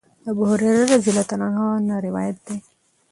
د ابوهريره رضی الله عنه نه روايت دی